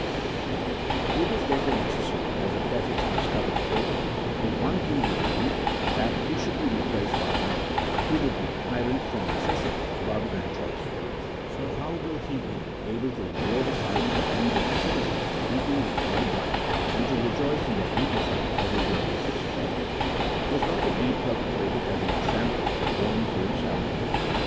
CHAP. XVIII.] OF CERTAIN POLITICAL DOCTRINES. 243 It is therefore necessary, as the prophets discovered of old, if one king be removed, that he should be replaced by another, who will be a tyrant from necessity rather than choice. For how will he be able to endure the sight of the hands of the citizens reeking with royal blood, and to re joice in their regicide as a glorious exploit ? Was not the deed perpetrated as an example and warning for himself